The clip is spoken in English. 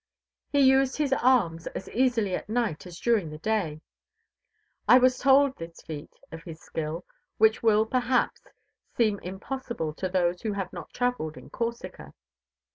He used his arms as easily at night as during the day. I was told this feat of his skill, which will, perhaps, seem impossible to those who have not travelled in Corsica.